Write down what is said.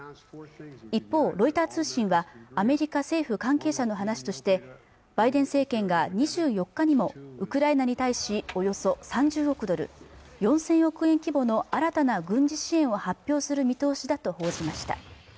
一方ロイター通信はアメリカ政府関係者の話としてバイデン政権が２４日にもウクライナに対しおよそ３０億ドル４０００億円規模の新たな軍事支援を発表する見通しだと報じました